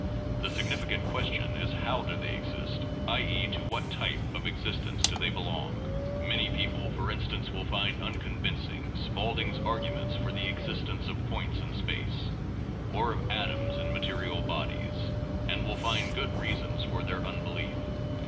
The significant question is how do they exist, i. e., to what type of existence do they belong. Many people, for instance, will find unconvincing Spaulding's arguments for the existence of points in space, or of atoms in material bodies, and will find good reasons for their unbelief.